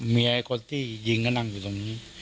ไอ้คนที่ยิงก็นั่งอยู่ตรงนี้